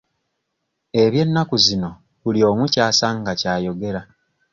Eby'ennaku zino buli omu ky'asanga ky'ayogera.